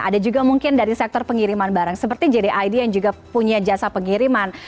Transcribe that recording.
ada juga mungkin dari sektor pengiriman barang seperti jdid yang juga punya jasa pengiriman